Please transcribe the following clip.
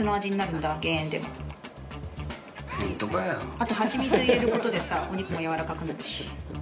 あとはちみつ入れる事でさお肉もやわらかくなるし。